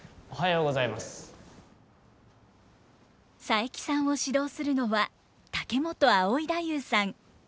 佐伯さんを指導するのは竹本葵太夫さん。